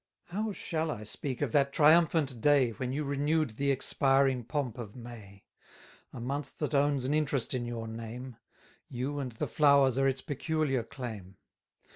How shall I speak of that triumphant day, When you renew'd the expiring pomp of May! (A month that owns an interest in your name: You and the flowers are its peculiar claim.)